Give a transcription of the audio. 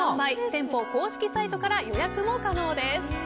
店舗公式サイトから予約も可能です。